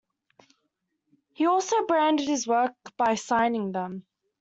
He also branded his work by signing them.